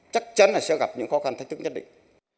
chắc chắn là sẽ gặp những khó khăn thách thức nhất định